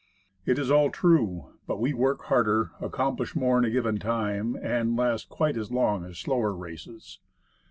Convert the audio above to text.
It is all true. But we work harder, accomplish more in a given time, and last quite as long as slower races.